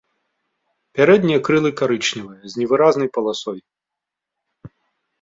Пярэднія крылы карычневыя з невыразнай паласой.